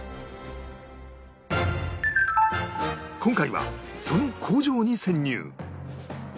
今回はその工場に潜入